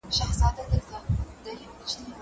خوږ چي مي کلام دی خو نبات زما په زړه کي دی